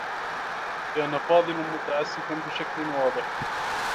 كان فاضل متعسّفا بشكل واضح.